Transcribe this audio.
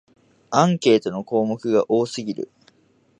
アンケートの項目が多すぎる